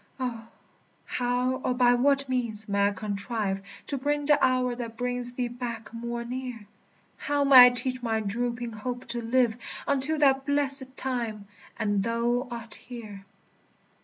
O, how or by what means may I contrive To bring the hour that brings thee back more near? How may I teach my drooping hope to live Until that blessèd time, and thou art here?